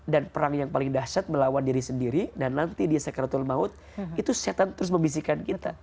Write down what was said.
dan perang yang paling dahsyat melawan diri sendiri dan nanti dia sekretul maut itu syetan terus membisikkan kita